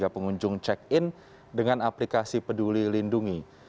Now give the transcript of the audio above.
satu lima belas tiga ratus tiga pengunjung check in dengan aplikasi peduli lindungi